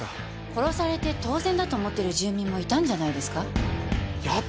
殺されて当然だと思ってる住民もいたんじゃないですか。